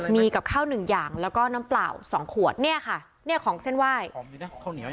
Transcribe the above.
มีกับข้าวหนึ่งอย่างแล้วก็น้ำเปล่าสองขวดเนี่ยค่ะเนี่ยของเส้นไหว้